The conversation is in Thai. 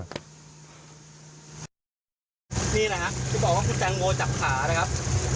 นี่นะครับที่บอกว่าคุณแจงโบจับขานะครับ